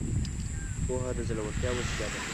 پوهه د زړورتيا وسيله ده.